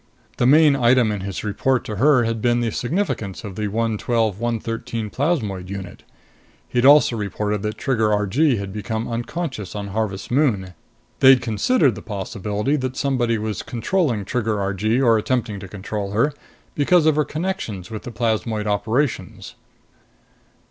The main item in his report to her had been the significance of the 112 113 plasmoid unit. He'd also reported that Trigger Argee had become unconscious on Harvest Moon. They'd considered the possibility that somebody was controlling Trigger Argee, or attempting to control her, because of her connections with the plasmoid operations.